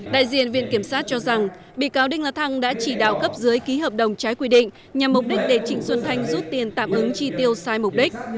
đại diện viện kiểm sát cho rằng bị cáo đinh la thăng đã chỉ đạo cấp dưới ký hợp đồng trái quy định nhằm mục đích để trịnh xuân thanh rút tiền tạm ứng chi tiêu sai mục đích